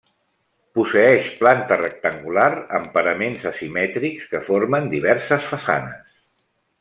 Posseeix planta rectangular amb paraments asimètrics que formen diverses façanes.